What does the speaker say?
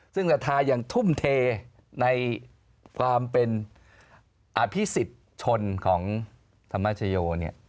ซึ่งศรัทธายังทุ่มเทในความเป็นอภิษฎชนของธรรมชโย